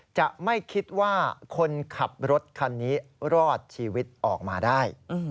จะไม่คิดว่าคนขับรถคันนี้รอดชีวิตออกมาได้